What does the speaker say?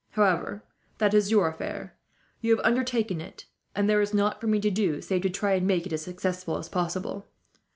However, that is your affair. You have undertaken it, and there is nought for me to do, save to try and make it as successful as possible.